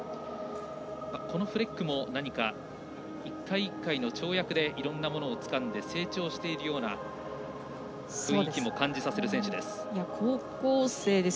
このフレックも１回１回の跳躍でいろんなものをつかんで成長しているような雰囲気も感じさせる選手です。